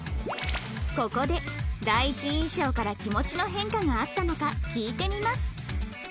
ここで第一印象から気持ちの変化があったのか聞いてみます